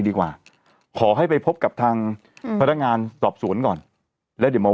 ดีกว่าขอให้ไปพบกับทางอืมพนักงานสอบสวนก่อนแล้วเดี๋ยวหมอ